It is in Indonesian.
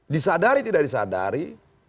disadari tidak disadari